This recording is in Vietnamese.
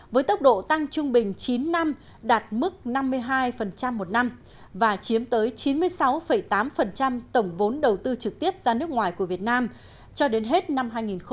với tốc độ tăng trung bình chín năm đạt mức năm mươi hai một năm và chiếm tới chín mươi sáu tám tổng vốn đầu tư trực tiếp ra nước ngoài của việt nam cho đến hết năm hai nghìn hai mươi